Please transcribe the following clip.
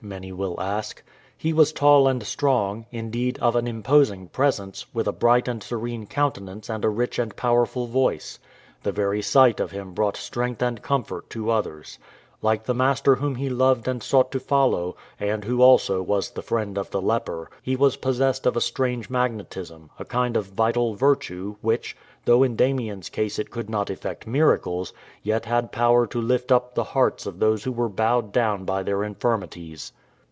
many will ask. He was tall and strong, indeed of an imposing presence, with a bright and serene countenance and a rich and powerful voice. The very sight of him brought strength and comfort to others. Like the Master Whom he loved and sought to follow, and Who also was the Friend of the leper, he was possessed of a strange magnetism — a kind of vital "virtue'''* — which, though in Damien's case it could not effect miracles, yet had power to lift up the hearts of those who were bowed down by their infirm ities.